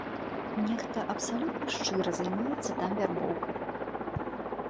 Нехта абсалютна шчыра займаецца там вярбоўкай.